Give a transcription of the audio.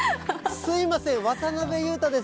すみません、渡辺裕太です。